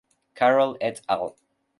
Carroll et al.